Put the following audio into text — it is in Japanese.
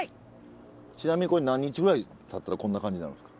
ちなみにこれ何日ぐらいたったらこんな感じになるんですか？